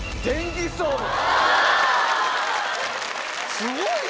すごいな！